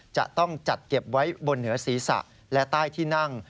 จะต้องจัดเก็บไว้บนเหนือศีรษะและใต้ที่นั่ง